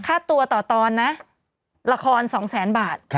ค่าตัวต่อตอนละคร๒๐๐๐๐๐บาท